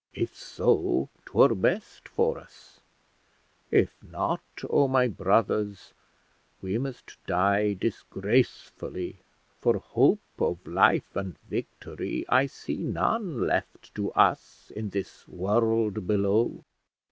If so, 'twere best for us; if not, oh my brothers, we must die disgracefully, for hope of life and victory I see none left to us in this world below.